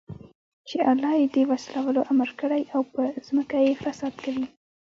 چې الله ئې د وصلَولو امر كړى او په زمكه كي فساد كوي